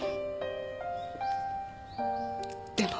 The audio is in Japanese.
でも。